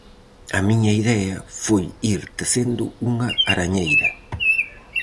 A miña idea foi ir tecendo unha arañeira.